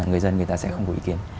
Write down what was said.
người dân người ta sẽ không có ý kiến